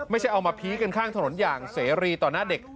ไม่ใช่เอามาพีคกันข้างถนนอย่างเสรีต่อหน้าเด็ก